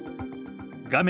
画面